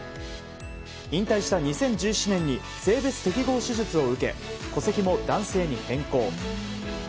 引退した２０１７年に性別適合手術を受け戸籍も男性に変更。